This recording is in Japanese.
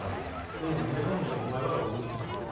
ほな何で彼女はお前から俺に移ったんや？